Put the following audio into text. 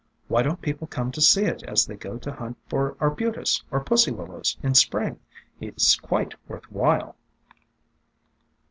Why don't people come to see it as they go to hunt for Arbutus or Pussy Willows in Spring ? It 's quite worth while."